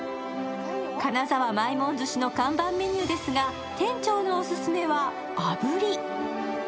金沢まいもん寿司の看板メニューですが、店長のオススメは炙り。